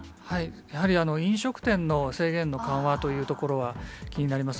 やはり飲食店の制限の緩和というところは気になります。